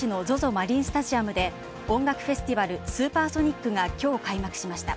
マリンスタジアムで音楽フェスティバル「スーパーソニック」がきょう開幕しました。